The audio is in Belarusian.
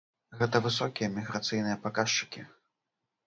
Гэта высокія міграцыйныя паказчыкі.